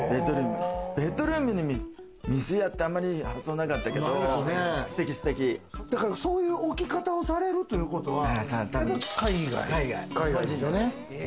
ベッドルームに水屋って、あんまり発想なかったけど、ステキ、そういう置き方をされるということは海外？